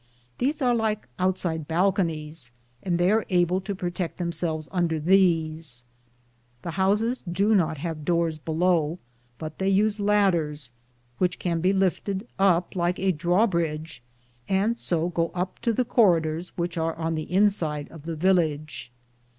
These are like outside bal conies, and they are able to protect them selves under these. The houses do not have doors below, but they use ladders, which can be lifted up like a drawbridge, and so go up to the corridors which are on the inside of the village.